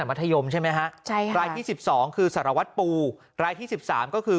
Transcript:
มัธยมใช่ไหมฮะใช่ค่ะรายที่๑๒คือสารวัตรปูรายที่๑๓ก็คือ